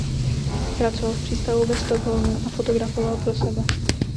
Pracoval v přístavu ve Stockholmu a fotografoval pro sebe.